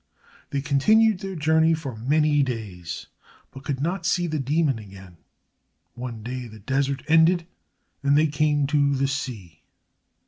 They continued their journey for many days, but could not see the demon again. One day the desert ended and they came to the sea.